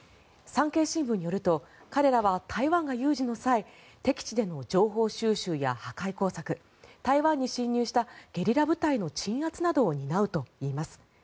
産経新聞によると彼らは台湾が有事の際敵地での情報収集や破壊工作台湾に侵入したゲリラ部隊の鎮圧などを担うといいます。